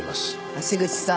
橋口さん